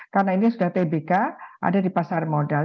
karena ini sudah tbk ada di pasar modal